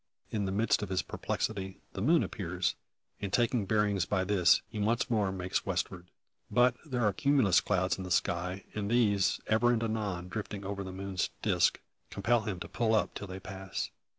In the midst of his perplexity, the moon appears; and taking bearings by this, he once more makes westward. But there are cumulus clouds in the sky; and these, ever and anon drifting over the moon's disc, compel him to pull up till they pass.